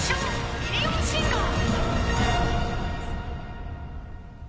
ミリオンシンガー